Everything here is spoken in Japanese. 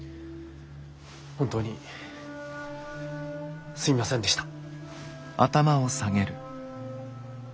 本当にすみませんでした。